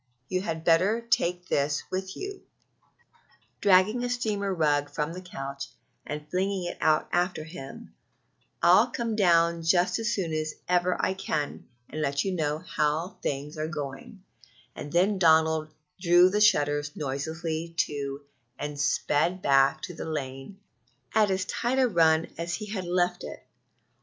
you had better take this with you," dragging a steamer rug from the couch, and flinging it out after him, "and I'll come down just as soon as ever I can and let you know how things are going and then Donald drew the shutters noiselessly to and sped back to the lane at as tight a run as he had left it.